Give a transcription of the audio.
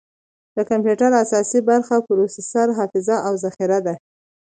د کمپیوټر اساسي برخې پروسیسر، حافظه، او ذخیره ده.